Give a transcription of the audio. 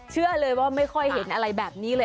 เชื่อเลยว่าไม่ค่อยเห็นอะไรแบบนี้เลย